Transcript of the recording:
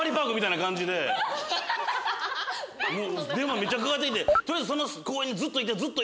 めっちゃかかってきて。